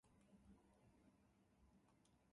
ところで、私は「重山」という号をもっております